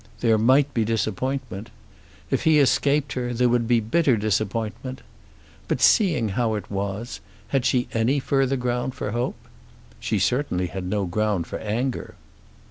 There might be disappointment. If he escaped her there would be bitter disappointment. But seeing how it was, had she any further ground for hope? She certainly had no ground for anger!